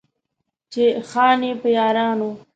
چې خان يې، په يارانو